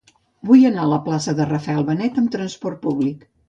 Vull anar a la plaça de Rafael Benet amb trasport públic.